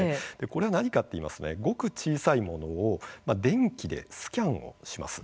これは何かと言いますとごく小さいものを電気でスキャンをします。